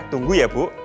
tunggu ya bu